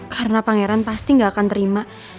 karena pangeran pasti gak akan terima